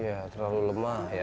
iya terlalu lemah ya